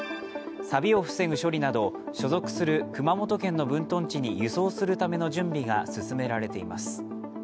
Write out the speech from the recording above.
さびを防ぐ処理など、所属する熊本県の分屯地に輸送するための準備が進められています。